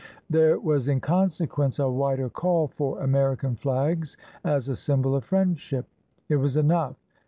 There was in consequence a wider call for American flags as a symbol of friendship. It was enough.